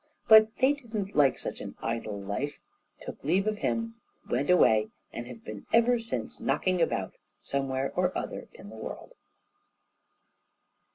But they didn't like such an idle life, took leave of him, went away, and have been ever since knocking about somewhere or other in the world.